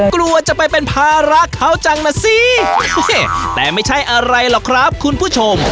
กลัวจะไปเป็นภาระเขาจังนะสิแต่ไม่ใช่อะไรหรอกครับคุณผู้ชม